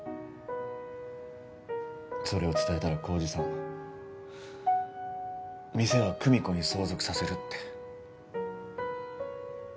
それを伝えたら晃司さん店は久美子に相続させるって。